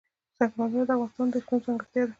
سنگ مرمر د افغانستان د اقلیم ځانګړتیا ده.